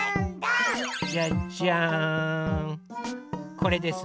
これです。